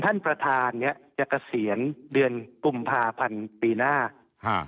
ท่านประธานเนี้ยจะเกษียณเดือนกุมภาพันธ์ปีหน้าฮะ